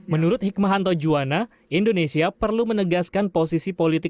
menurut hikmahanto juwana indonesia perlu menegaskan posisi politik